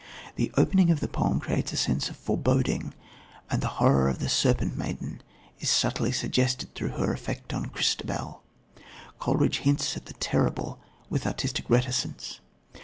The opening of the poem creates a sense of foreboding, and the horror of the serpent maiden is subtly suggested through her effect on Christabel. Coleridge hints at the terrible with artistic reticence.